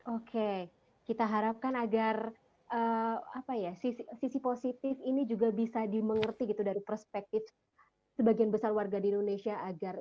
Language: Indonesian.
oke kita harapkan agar sisi positif ini juga bisa dimengerti gitu dari perspektif sebagian besar warga di indonesia agar